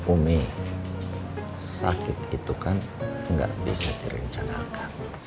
umi sakit itu kan nggak bisa direncanakan